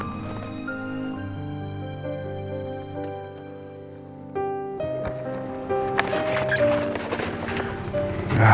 siapa ada pak